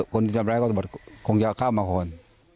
คนที่ทำไรก็บวชคงจะเข้ามาก่อน